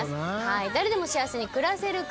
誰でも幸せに暮らせる国